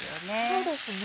そうですね。